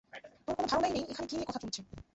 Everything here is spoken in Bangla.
তোর কোন ধারণাই নেই এখানে কি নিয়ে কথা চলছে।